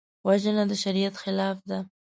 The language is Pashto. وژنه د شریعت خلاف ده